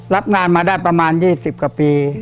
รับงานมาได้ประมาณ๒๐กว่าปี